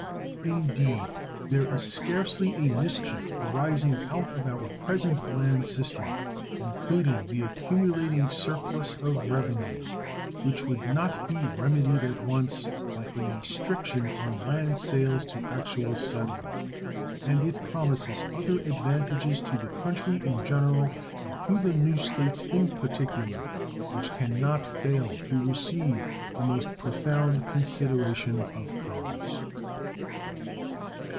Indeed, there is scarcely a mischief arising out of our present land system, including the accumulating surplus of revenues, which would not be remedied at once by a restriction on land sales to actual settlers; and it promises other advantages to the country in general and to the new States in particular which can not fail to receive the most profound consideration of Congress.